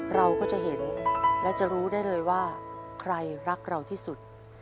เราก็จะเห็นและจะรู้ได้เลยว่าใครรักเราที่สุด